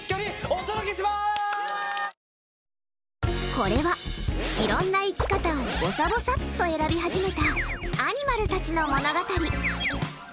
これは、いろんな生き方をぼさぼさっと選び始めたアニマルたちの物語。